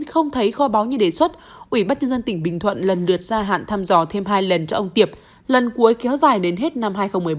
không thấy kho báo như đề xuất ủy ban nhân dân tỉnh bình thuận lần lượt gia hạn thăm dò thêm hai lần cho ông tiệp lần cuối kéo dài đến hết năm hai nghìn một mươi bốn